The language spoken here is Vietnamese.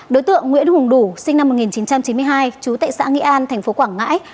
đối tượng nguyễn hùng đủ sinh năm một nghìn chín trăm chín mươi hai chú tại xã nghĩ an tp quảng ngãi